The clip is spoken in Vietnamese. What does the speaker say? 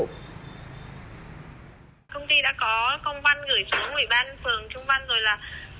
công ty đã có công văn gửi xuống ủy ban phường trung văn rồi là